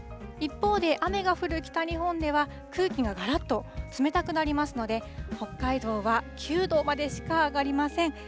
一方で、雨が降る北日本では、空気ががらっと冷たくなりますので、北海道は９度までしか上がりません。